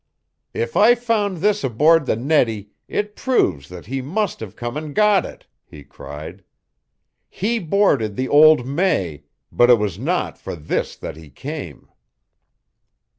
"If I found this aboard the Nettie it proves that he must have come and got it!" he cried. "He boarded the old May, but it was not for this that he came!"